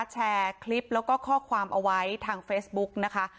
แชร์คลิปแล้วก็ข้อความเอาไว้ทางเฟซบุ๊กนะคะ